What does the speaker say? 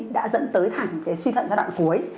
đã dẫn tới thẳng suy thận giai đoạn cuối